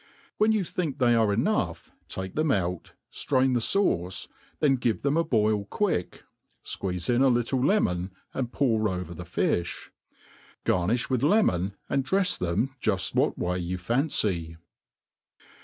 When you think they are enough take them .out, ftratn the fauce, then give them a boil quick, fqueeze in a little lemon and pour over the fifli. Garnim with lemon> and drefs them juft what way you fancy.